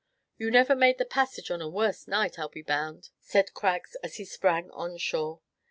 "You never made the passage on a worse night, I 'll be bound," said Craggs, as he sprang on shore.